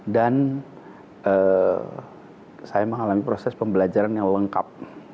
dan saya mengalami proses pembelajaran yang lengkap